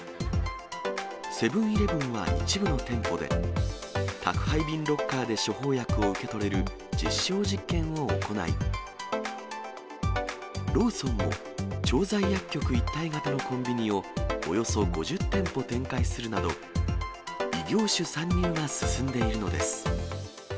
セブンーイレブンは一部の店舗で、宅配便ロッカーで処方薬を受け取れる実証実験を行い、ローソンも調剤薬局一体型のコンビニをおよそ５０店舗展開するなど、異業種参入が進んでいるのです。